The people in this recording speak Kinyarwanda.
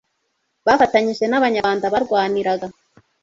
bafatanyije n'abanyarwanda barwaniraga